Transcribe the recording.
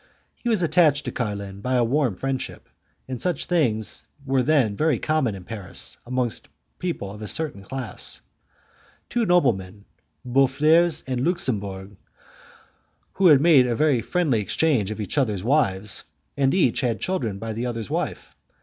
He was attached to Carlin by a warm friendship, and such things were then very common in Paris amongst people of a certain class. Two noblemen, Boufflers and Luxembourg, had made a friendly exchange of each other's wives, and each had children by the other's wife.